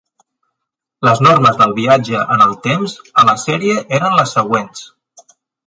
Les normes del viatge en el temps a la sèrie eren les següents.